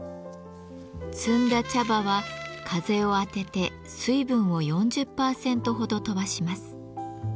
摘んだ茶葉は風を当てて水分を４０％ほど飛ばします。